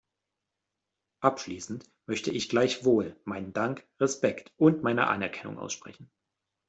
Abschließend möchte ich gleichwohl meinen Dank, Respekt und meine Anerkennung aussprechen.